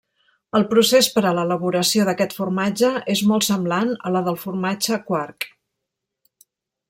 El procés per a l'elaboració d'aquest formatge és molt semblant a la del formatge quark.